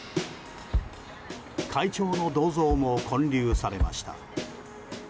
会長の銅像も建立されました。